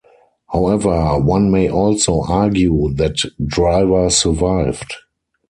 However, one may also argue that Driver survived.